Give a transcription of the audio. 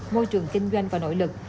môi trường kinh doanh và nội lực